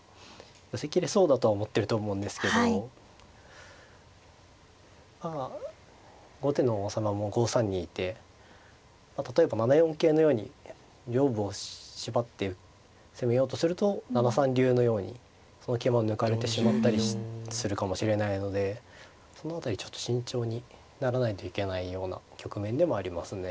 寄せきれそうだとは思ってると思うんですけどまあ後手の王様も５三にいて例えば７四桂のように上部を縛って攻めようとすると７三竜のようにその桂馬を抜かれてしまったりするかもしれないのでその辺りちょっと慎重にならないといけないような局面でもありますね。